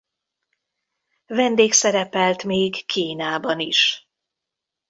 Vendégszerepelt még Kínában is.